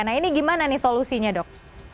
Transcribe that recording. nah ini gimana nih solusinya dok